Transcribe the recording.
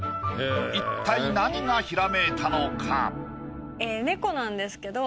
一体何がひらめいたのか？